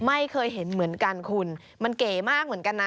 ไม่เคยเห็นเหมือนกันคุณมันเก๋มากเหมือนกันนะ